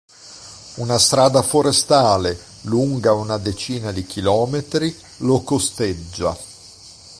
Una strada forestale, lunga una decina di chilometri, lo costeggia.